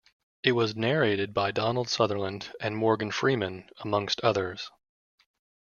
It was narrated by Donald Sutherland and Morgan Freeman, amongst others.